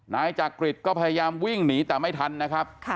นายจักริตก็พยายามวิ่งหนีแต่ไม่ทันนะครับ